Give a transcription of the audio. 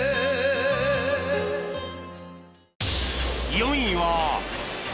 ４位は